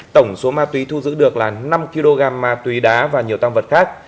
tổng số ma túy thu giữ được là năm kg ma túy đá và nhiều tăng vật khác